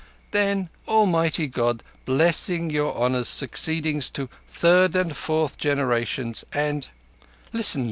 'then Almighty God blessing your Honour's succeedings to third an' fourth generation and'—now listen!